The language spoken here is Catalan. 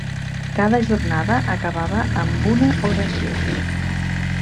Cada jornada acabava amb una oració.